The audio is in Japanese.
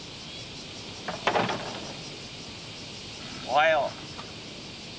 おはよう。